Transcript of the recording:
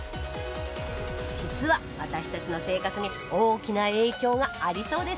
実は私たちの生活に大きな影響がありそうですよ